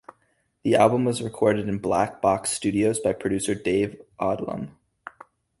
The album was recorded in Black Box Studios by producer Dave Odlum.